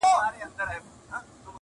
زه به ولي نن د دار سر ته ختلاى؛